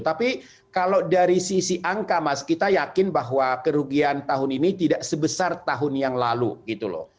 tapi kalau dari sisi angka mas kita yakin bahwa kerugian tahun ini tidak sebesar tahun yang lalu gitu loh